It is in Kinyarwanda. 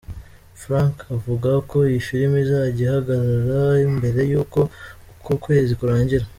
Frank avuga ko iyi Film izajya ahagaragara mbere y’uko uku kwezi kurangira.